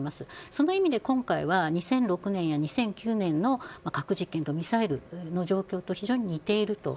その意味で今回は２００６年や２００９年の核実験とミサイルの状況と非常に似ている。